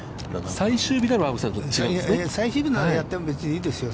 最終日では、青木さん、違うんですね。